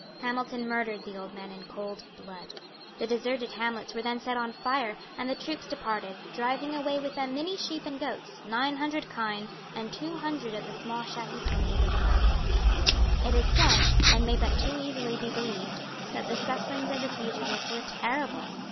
Hamilton murdered the old man in cold blood. The deserted hamlets were then set on fire; and the troops departed, driving away with them many sheep and goats, nine hundred kine, and two hundred of the small shaggy ponies of the Highlands. It is said, and may but too easily be believed, that the sufferings of the fugitives were terrible.